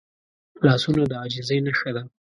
لاسونه د عاجزۍ نښه ده